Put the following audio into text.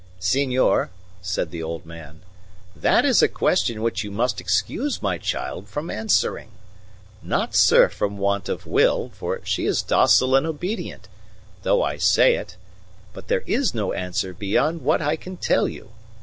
"Senor," said the old man, "that is a question which you must excuse my child from answering. Not, sir, from want of will, for she is docile and obedient, though I say it, but there is no answer beyond what I can tell you.